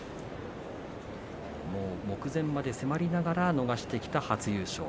目前まで迫りながら逃してきた初優勝。